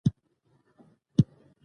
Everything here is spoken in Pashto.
په افغانستان کې د کلیزو منظره شتون لري.